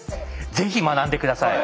ぜひ学んで下さい。